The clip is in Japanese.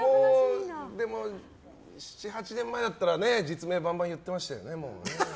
でも、７８年前なら実名をバンバン言ってましたよね？